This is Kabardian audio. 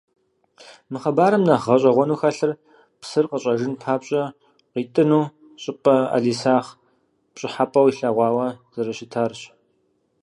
Мы хъыбарым нэхъ гъэщӏэгъуэну хэлъыр псыр къыщӏэжын папщӏэ къитӏыну щӏыпӏэр ӏэлисахь пщӏыхьэпӏэу илъэгъуауэ зэрыщытарщ.